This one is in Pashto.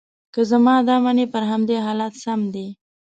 که زما دا منې، پر همدې حالت سم دي.